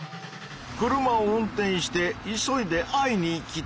車を運転して急いで会いに行きたい。